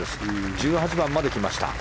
１８番まで来ました。